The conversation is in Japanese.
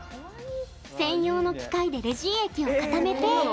専用の機械でレジン液を固めて。